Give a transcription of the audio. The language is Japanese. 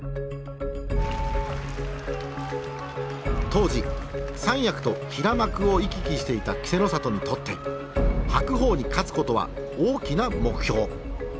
当時三役と平幕を行き来していた稀勢の里にとって白鵬に勝つことは大きな目標。